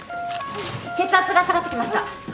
血圧が下がってきました。